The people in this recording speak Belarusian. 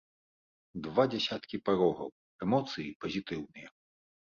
Два дзясяткі парогаў, эмоцыі пазітыўныя.